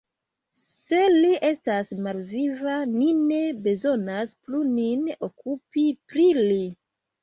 Se li estas malviva, ni ne bezonas plu nin okupi pri li.